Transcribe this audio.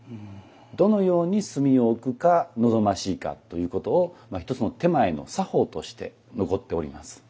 どのように炭を置くか望ましいかということを一つの点前の作法として残っております。